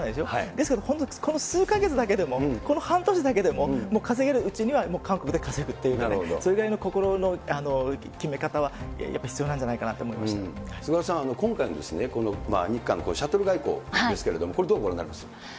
ですけど本当にこの数か月だけでも、この半年だけでも、稼げるうちには韓国で稼ぐというようなね、それぐらいの心の決め方はやっぱり必要なんじゃないかなと思いま菅原さん、今回の日韓のシャトル外交ですけれども、これ、どうご覧になります？